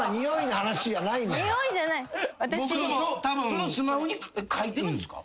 そのスマホに書いてるんですか？